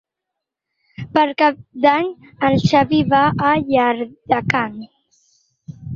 Per Cap d'Any en Xavi va a Llardecans.